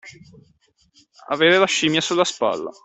Avere la scimmia sulla spalla.